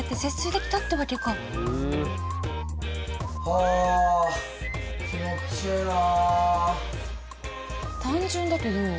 はあ気持ちええな。